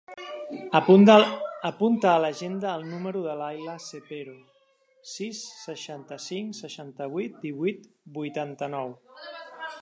Apunta a l'agenda el número de l'Ayla Cepero: sis, seixanta-cinc, seixanta-vuit, divuit, vuitanta-nou.